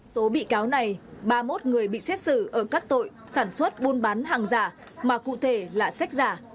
số bị cáo này ba mươi một người bị xét xử ở các tội sản xuất buôn bán hàng giả mà cụ thể là sách giả